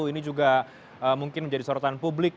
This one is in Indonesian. ini juga mungkin menjadi sorotan publik